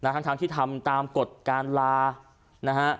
ทั้งที่ทำตามกฎการลานะฮะ